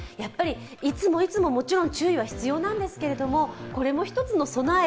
いつもいつも、もちろん注意は必要なんですけれどもこれも１つの備え。